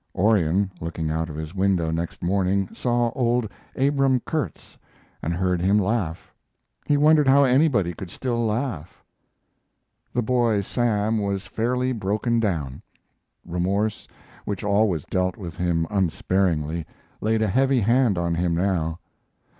Orion, looking out of his window next morning, saw old Abram Kurtz, and heard him laugh. He wondered how anybody could still laugh. The boy Sam was fairly broken down. Remorse, which always dealt with him unsparingly, laid a heavy hand on him now.